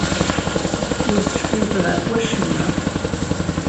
Ur tecfimt ɣef wacemma?